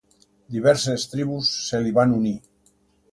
Diverses tribus se li van unir.